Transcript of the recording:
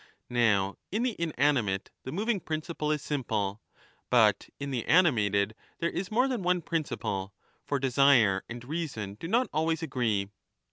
Now in the inanimate the moving principle is simple, but in the ani mated there is more than one principle ; for desire and reason do not always agree.